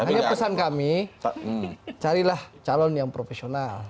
hanya pesan kami carilah calon yang profesional